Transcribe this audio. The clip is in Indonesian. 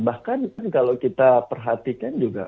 bahkan kalau kita perhatikan juga